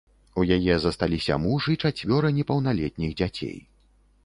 У яе засталіся муж і чацвёра непаўналетніх дзяцей.